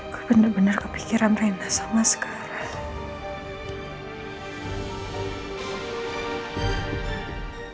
gue bener bener kepikiran rendah sama sekarang